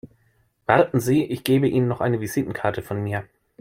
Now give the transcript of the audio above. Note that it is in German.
Warten Sie, ich gebe Ihnen noch eine Visitenkarte von mir.